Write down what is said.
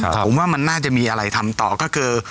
ผมว่ามันน่าจะมีอะไรทำต่อก็คือ